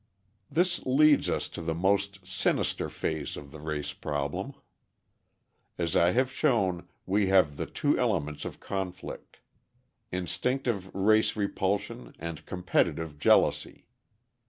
This leads us to the most sinister phase of the race problem. As I have shown, we have the two elements of conflict: instinctive race repulsion and competitive jealousy.